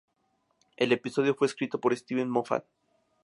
El episodio fue escrito por Steven Moffat.